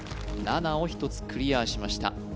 ７を１つクリアしました